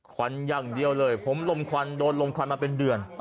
ควันอย่างเดียวเลยผมลมควันโดนลมควันมาเป็นเดือน